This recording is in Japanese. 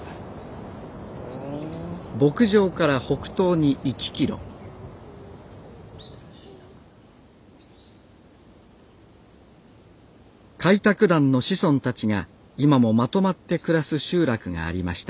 牧場から北東に１キロ開拓団の子孫たちが今もまとまって暮らす集落がありました